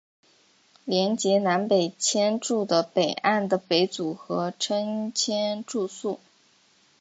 连结南北千住的北岸的北组合称千住宿。